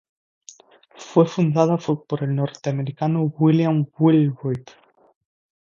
Fue fundada por el norteamericano William Wheelwright.